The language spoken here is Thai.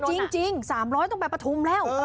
ใช่จริง๓๐๐ต้องไปประทุมแล้ว